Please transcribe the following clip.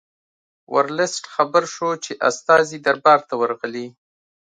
ورلسټ خبر شو چې استازي دربار ته ورغلي.